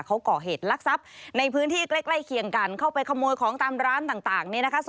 เขาก่อเหตุลักษัพในพื้นที่ใกล้เคียงกันเข้าไปขโมยของตามร้านต่างเนี่ยนะคะ